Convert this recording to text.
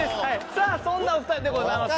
さあそんなお二人でございます。